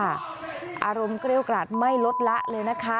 อารมณ์เกรี้ยวกราดไม่ลดละเลยนะคะ